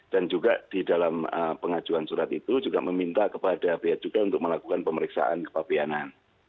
dan juga di dalam pengajuan surat itu juga meminta kepada pihak juga untuk melakukan pemeriksaan kepapianan